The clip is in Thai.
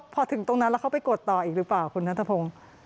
พอถึงตรงนั้นแล้วเขาไปกดต่ออีกหรือเปล่าคุณนัทพงศ์